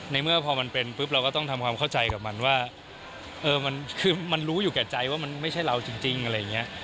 ในเมื่อพอมันเป็นปุ๊บเราก็ต้องทำความเข้าใจกับมันว่าคือมันรู้อยู่แก่ใจว่ามันไม่ใช่เราจริงอะไรอย่างนี้